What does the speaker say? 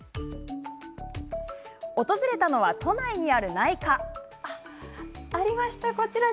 訪れたのは、都内にある内科。